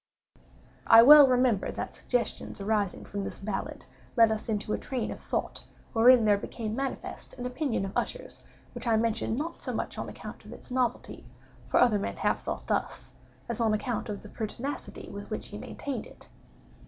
I well remember that suggestions arising from this ballad, led us into a train of thought wherein there became manifest an opinion of Usher's which I mention not so much on account of its novelty, (for other men * have thought thus,) as on account of the pertinacity with which he maintained it.